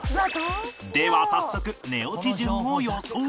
では早速寝落ち順を予想！